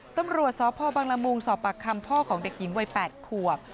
ตำรวจสพบังละมุงสอบปากคำพ่อของเด็กหญิงวัย๘ขวบ